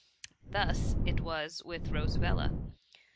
Thus it was with Rosabella.